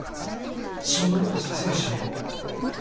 そんな事させやしねえ。